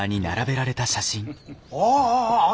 ああ！